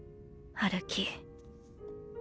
歩き。